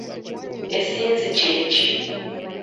Essinzi kye ki?